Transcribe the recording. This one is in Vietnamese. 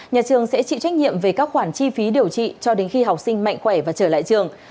nhà trường sẽ chịu trách nhiệm về các khoản chi phí điều trị cho đến khi học sinh mạnh khỏe và trở lại trường